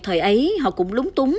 thời ấy họ cũng lúng túng